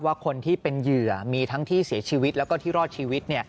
ว่าคนที่เป็นเหยื่อมีทั้งที่เสียชีวิตแล้วก็ที่รอดชีวิต